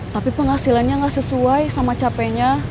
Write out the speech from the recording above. tapi penghasilannya nggak sesuai sama capeknya